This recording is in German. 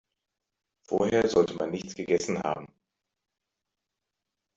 Vorher sollte man nichts gegessen haben.